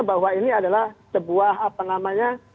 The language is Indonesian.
bahwa ini adalah sebuah apa namanya